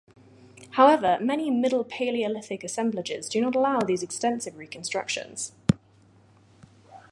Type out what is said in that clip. However, many Middle Palaeolithic assemblages do not allow these extensive reconstructions.